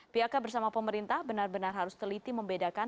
pihaka bersama pemerintah benar benar harus teliti membedakan